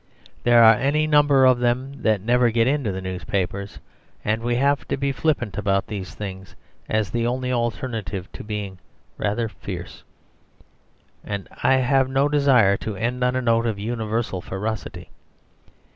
There are any number of them that never get into the newspapers. And we have to be flippant about these things as the only alternative to being rather fierce; and I have no desire to end on a note of universal ferocity.